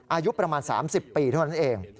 อายุประมาณ๓๐ปีเท่านั้นเอง